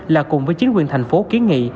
là cùng với chính quyền thành phố kiến nghị